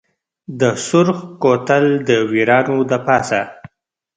د سرخ کوتل دویرانو دپاسه